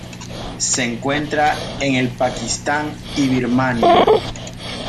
Se encuentra en el Pakistán y Birmania.